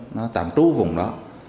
nó tạm trú vùng đó